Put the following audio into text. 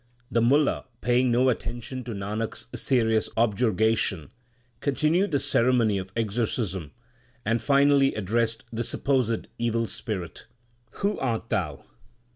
The Mulla, paying no attention to Nanak s serious objurgation, continued the ceremony of exorcism and finally addressed the supposed evil spirit, Who art thou